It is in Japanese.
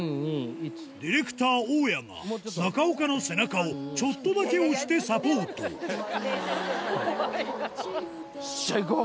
ディレクター大矢が中岡の背中をちょっとだけ押してサポートよっしゃいこう！